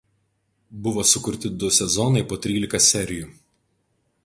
Viso buvo sukurti du sezonai po trylika serijų.